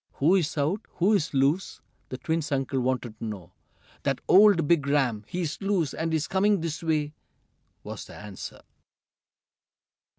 "Who's out? Who's loose?" the twins' uncle wanted to know. "That old big ram! He's loose, and he's coming this way!" was the answer.